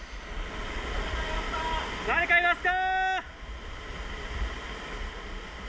誰かいますか？